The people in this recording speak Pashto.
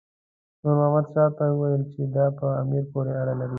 نور محمد شاه ته وویل چې دا په امیر پورې اړه لري.